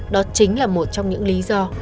đó chính là một trong những lý do